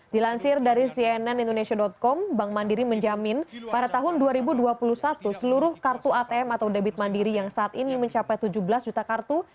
dilansir dari cnn indonesia com bank mandiri menjamin pada tahun dua ribu dua puluh satu seluruh kartu atm atau debit mandiri yang saat ini mencapai tujuh belas juta kartu